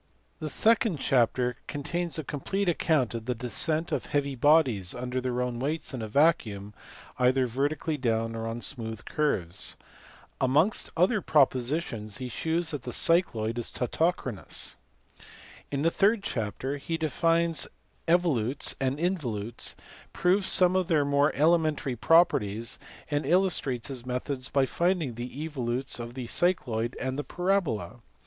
The second chapter contains a complete account of the descent of heavy bodies under their own weights in a vacuum, either vertically down or on smooth curves. Amongst other propositions he shews that the cycloid is tautochronous. In the third chapter he defines evolutes and involutes, proves some of their more elementary properties, and illustrates his methods by finding the evolutes of the cycloid and the parabola.